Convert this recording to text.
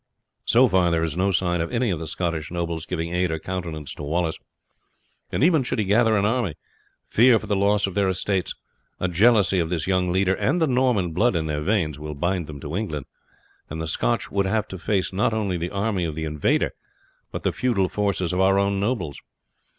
So far there is no sign of any of the Scottish nobles giving aid or countenance to Wallace, and even should he gather an army, fear for the loss of their estates, a jealousy of this young leader, and the Norman blood in their veins, will bind them to England, and the Scotch would have to face not only the army of the invader, but the feudal forces of our own nobles.